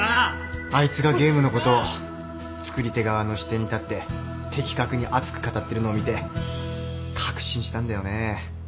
あいつがゲームのことを作り手側の視点に立って的確に熱く語ってるのを見て確信したんだよね。